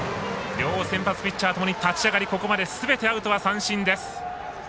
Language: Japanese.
両先発ピッチャー立ち上がり、ここまですべてアウトは三振です。